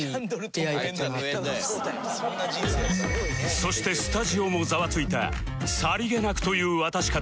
そしてスタジオもざわついた「さりげなく」という渡し方